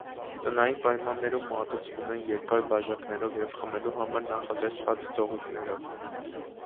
Տնային պայմաններում մատուցվում են երկար բաժակներով և խմելու համար նախատեսված ձողիկներով։